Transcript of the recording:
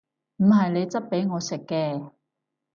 唔係你質俾我食嘅！